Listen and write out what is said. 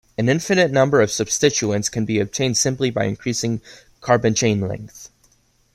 An infinite number of substituents can be obtained simply by increasing carbon chain length.